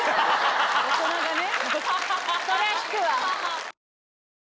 大人がね。